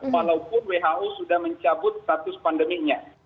walaupun who sudah mencabut status pandeminya